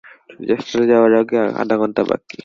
সূর্যাস্ত যাওয়ার এখনো আঘা ঘন্টা বাকি।